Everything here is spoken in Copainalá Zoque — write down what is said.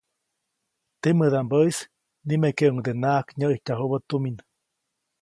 Temädaʼmbäʼis nimekeʼuŋdenaʼak nyäʼijtyajubä tumin.